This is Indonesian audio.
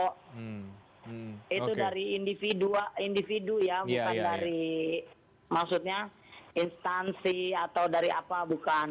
itu dari individu ya bukan dari maksudnya instansi atau dari apa bukan